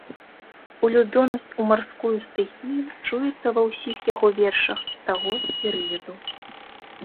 Улюбёнасць у марскую стыхію чуецца ва ўсіх яго вершах таго перыяду.